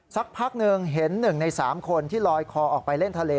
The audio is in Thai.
สักพักหนึ่งเห็น๑ใน๓คนที่ลอยคอออกไปเล่นทะเล